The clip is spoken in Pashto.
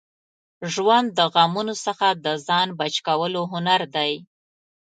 ژوند د غمونو څخه د ځان بچ کولو هنر دی.